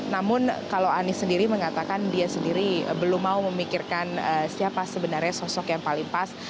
namun kalau anies sendiri mengatakan dia sendiri belum mau memikirkan siapa sebenarnya sosok yang paling pas